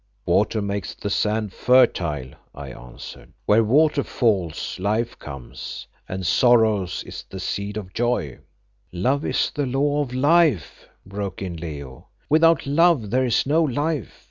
"Water makes the sand fertile," I answered. "Where water falls, life comes, and sorrow is the seed of joy." "Love is the law of life," broke in Leo; "without love there is no life.